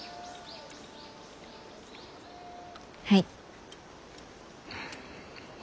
はい。